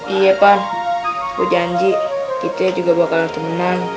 iya pan gue janji kita juga bakalan temenan